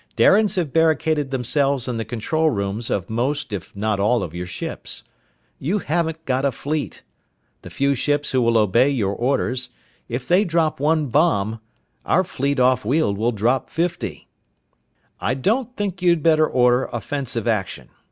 Darians have barricaded themselves in the control rooms of most if not all your ships. You haven't got a fleet. The few ships who will obey your orders if they drop one bomb, our fleet off Weald will drop fifty. "I don't think you'd better order offensive action.